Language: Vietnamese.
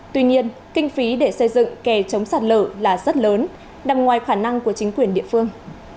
tuy nhiên kinh phí để xây dựng kè chống sạt lở là rất lớn nằm ngoài khả năng của chính quyền địa phương